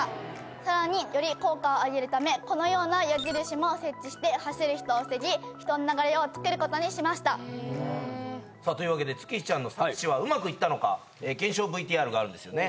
さらにより効果を上げるためこのような矢印も設置して走る人を防ぎ人の流れをつくることにしましたへえさあというわけで月陽ちゃんの錯視はうまくいったのか検証ＶＴＲがあるんですよね？